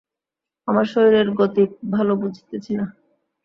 আমার শরীরের গতিক ভালো বুঝিতেছি না।